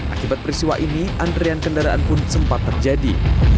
akibat perisiwa ini antrian kendaraan pun sempat berhenti